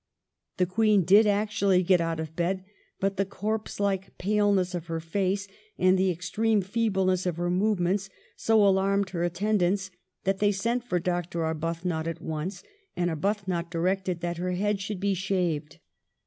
The Queen did actually get out of bed, but the corpse hke paleness of her face and the extreme feebleness of her movements so alarmed her attendants that they sent for Dr. Arbuthnot at once, and Arbuthnot directed that her head should be shaved.